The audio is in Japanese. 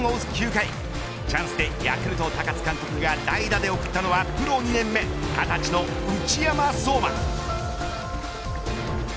９回チャンスでヤクルト高津監督が代打で送ったのはプロ２年目２０歳の内山壮真。